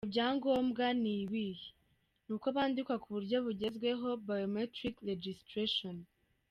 Ivyo vya ngombwa ni ibihe? Nuko bandikwa ku buryo bugezweho "biometric registration".